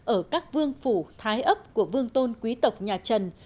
ở các vương phủ thái ấp của vương tôn quý tộc nhà trần